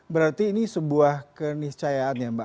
berarti ini sebuah keniscayaan ya mbak